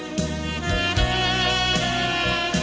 ku berbang pada salib itu